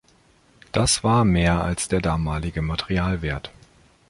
Das war mehr als der damalige Materialwert.